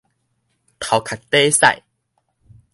頭殼貯屎